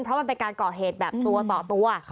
เพราะมันเป็นการก่อเหตุแบบตัวต่อตัว